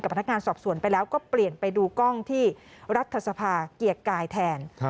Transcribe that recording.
พนักงานสอบสวนไปแล้วก็เปลี่ยนไปดูกล้องที่รัฐสภาเกียรติกายแทน